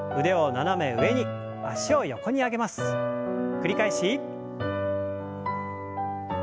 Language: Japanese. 繰り返し。